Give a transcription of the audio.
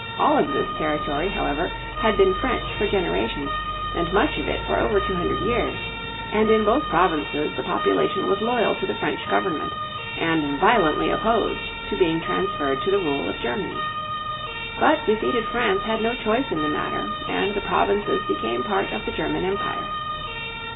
All of this territory, however, had been French for generations, and much of it for over two hundred years; and in both provinces the population was loyal to the French government and violently opposed to being transferred to the rule of Germany. But defeated France had no choice in the matter, and the provinces became part of the German Empire.